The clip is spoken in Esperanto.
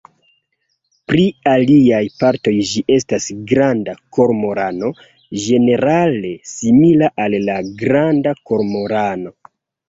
Pri aliaj partoj ĝi estas granda kormorano ĝenerale simila al la Granda kormorano.